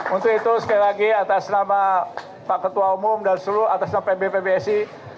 untuk itu sekali lagi atas nama pak ketua umum dan seluruh atas nama pb pbsi